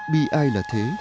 bị ai là thế